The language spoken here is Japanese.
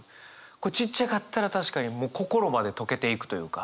これちっちゃかったら確かにもう心まで溶けていくというか。